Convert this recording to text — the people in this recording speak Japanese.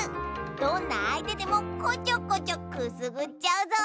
どんなあいてでもこちょこちょくすぐっちゃうぞ。